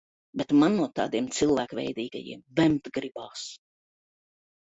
Bet man no tādiem cilvēkveidīgajiem vemt gribās.